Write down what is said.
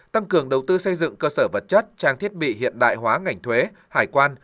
tăng cường đầu tư xây dựng cơ sở vật chất trang thiết bị hiện đại hóa ngành thuế hải quan